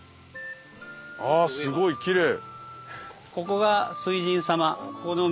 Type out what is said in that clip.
あすごいキレイ。